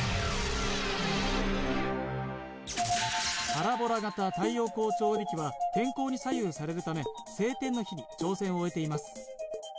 パラボラ型太陽光調理器は天候に左右されるため晴天の日に挑戦を終えています